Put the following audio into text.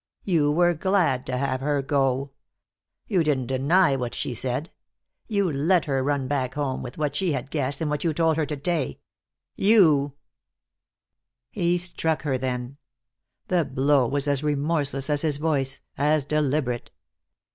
"You were glad to have her go. You didn't deny what she said. You let her run back home, with what she had guessed and what you told her to day. You " He struck her then. The blow was as remorseless as his voice, as deliberate.